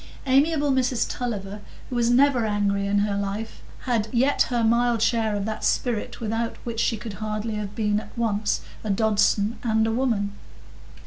Amiable Mrs Tulliver, who was never angry in her life, had yet her mild share of that spirit without which she could hardly have been at once a Dodson and a woman.